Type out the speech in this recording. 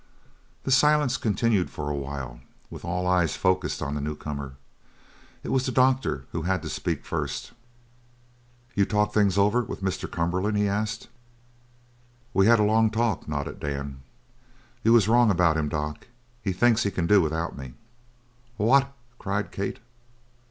The silence continued for a while, with all eyes focused on the new comer. It was the doctor who had to speak first. "You've talked things over with Mr. Cumberland?" he asked. "We had a long talk," nodded Dan. "You was wrong about him, doc. He thinks he can do without me." "What?" cried Kate.